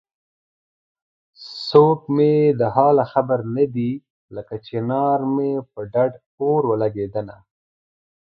څوک مې د حاله خبر نه دی لکه چنار مې په ډډ اور ولګېدنه